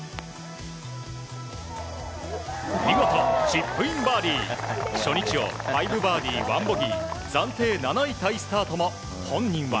見事、チップインバーディー！初日を５バーディー１ボギー暫定７位タイスタートも本人は。